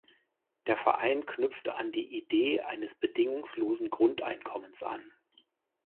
Der Verein knüpft an die Idee eines Bedingungslosen Grundeinkommens an.